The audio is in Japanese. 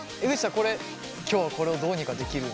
これ今日はこれをどうにかできるんですか？